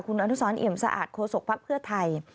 คุณอนุสรอิ่มสะอาดโคสกภัพท์เพื่อไทย